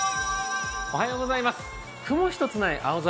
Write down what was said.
雲一つない青空